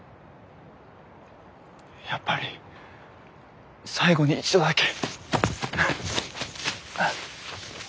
やっぱり最後に一度だけ。